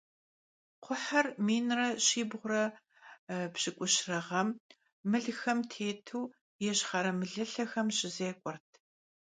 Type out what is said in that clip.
Kxhuhır minre bğuş're pşık'uşre ğem mılxem têsu Yişxhere Mılılhexım şızêk'uert.